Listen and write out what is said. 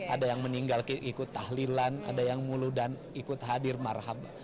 ada yang meninggal ikut tahlilan ada yang muludan ikut hadir marhab